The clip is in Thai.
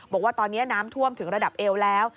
บอกว่าตอนนี้น้ำท่วมถึงระดับเอวแล้ว